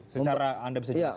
secara anda bisa jelaskan